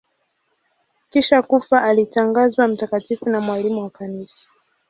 Kisha kufa alitangazwa mtakatifu na mwalimu wa Kanisa.